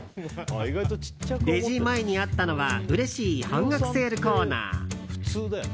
レジ前にあったのはうれしい半額セールコーナー。